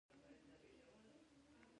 هغه ځکه چې